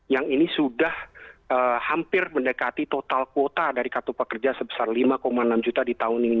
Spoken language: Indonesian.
yang ini sudah hampir mendekati total kuota dari kartu pekerja sebesar lima enam juta di tahun ini